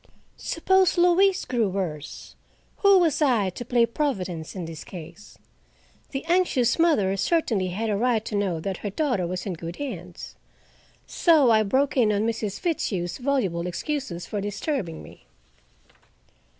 Suppose Louise grew worse? Who was I to play Providence in this case? The anxious mother certainly had a right to know that her daughter was in good hands. So I broke in on Mrs. Fitzhugh's voluble excuses for disturbing me.